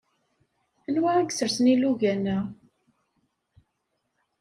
Anwa isersen ilugan-a?